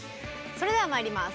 それではまいります。